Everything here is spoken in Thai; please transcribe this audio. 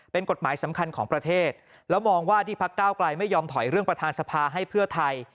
เป็นกฎหมายสำคัญของประเทศแล้วมองว่าที่พักเก้าไกลไม่ยอมถอยเรื่องประธานสภาให้เพื่อไทย